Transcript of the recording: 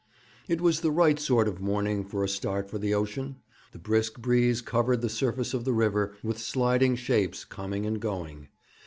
It was the right sort of morning for a start for the ocean. The brisk breeze covered the surface of the river with sliding shapes, coming and going.